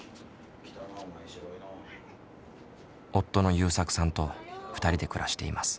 夫のゆうさくさんと２人で暮らしています。